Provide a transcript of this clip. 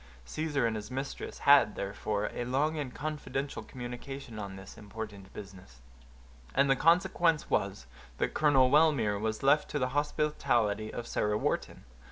Caesar and his mistress had, therefore, a long and confidential communication on this important business; and the consequence was, that Colonel Wellmere was left to the hospitality of Sarah Wharton.